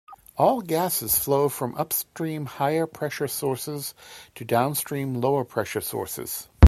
All gases flow from upstream higher pressure sources to downstream lower pressure sources.